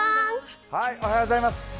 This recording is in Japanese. おはようございます。